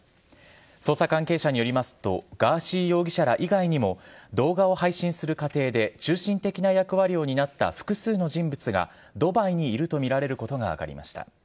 捜査関係者によりますとガーシー容疑者ら以外にも動画を配信する過程で中心的な役割を担った複数の人物がドバイにいるとみられることが分かりました。